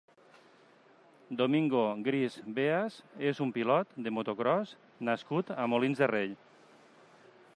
Domingo Gris Veas és un pilot de motocròs nascut a Molins de Rei.